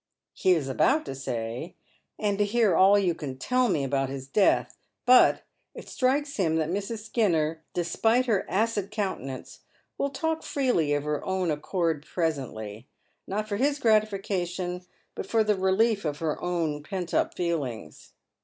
He is about to say, " and to hear all you can tell me about hia death," but it strikes him that Mrs. Skinner, despite her acid countenance, will talk freely of her own accord presently, not for his gratification, but for the relief of her own pent up feelings.